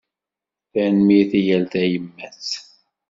Tanemmirt i yal tayemmat.